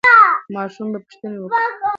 ماشومان به پوښتنې وکړي.